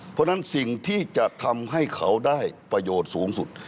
เพราะฉะนั้นสิ่งที่จะทำให้เขาได้ประโยชน์สูงสุด